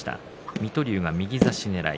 水戸龍は右差しねらい